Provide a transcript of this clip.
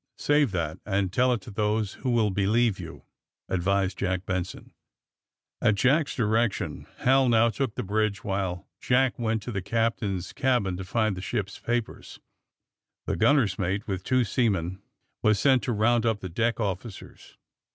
*'Save that and tell it to those who will be lieve you, '' advised Jack Benson. At Jack's direction Hal now took the bridge, while Jack went to the captain's cabin to find the ship's papers. The gunner's mate, with two seamen, was sent to round up the deck offi cers.